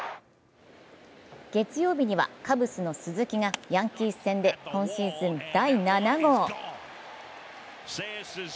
月曜日にはカブスの鈴木がヤンキース戦で今シーズン第７号。